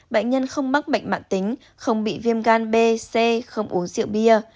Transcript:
bệnh nhân không mắc bệnh mạng tính không bị viêm gan b c không uống rượu bia